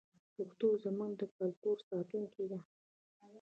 پښتو زموږ د کلتور ساتونکې ده.